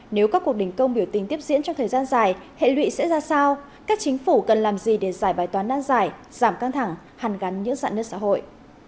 nếu các cuộc đình công biểu tình tiếp diễn trong thời gian dài hệ lụy sẽ ra sao các chính phủ cần làm gì để giải bài toán nan giải giảm căng thẳng hàn gắn những dạng nước xã hội